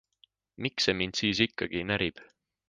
Miks see mind siis ikkagi närib?